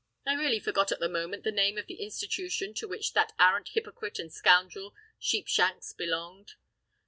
"I really forgot at the moment the name of the institution to which that arrant hypocrite and scoundrel Sheepshanks belonged."